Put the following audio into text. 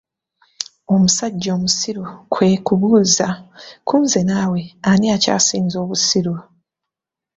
Omusajja omusiru kwe kubuuza ,kunze nawe, ani akyasinze obusiru?